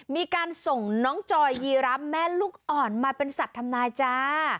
มีการส่งน้องจอยยีรับแม่ลูกอ่อนมาเป็นสัตว์ทำนายจ้า